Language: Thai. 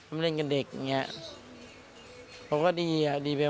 แม่ของแม่แม่ของแม่